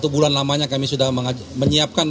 satu bulan lamanya kami sudah menyiapkan